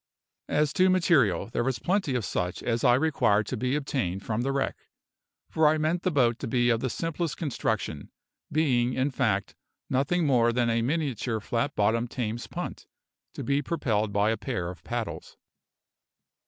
As to material, there was plenty of such as I required to be obtained from the wreck, for I meant the boat to be of the simplest construction, being, in fact, nothing more than a miniature flat bottomed Thames punt, to be propelled by a pair of paddles.